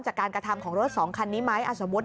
จากการกระทำของรถ๒คันนี้ไหม